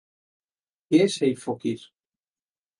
কে সেই ফকির?